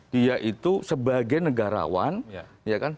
dia itu sebagai negarawan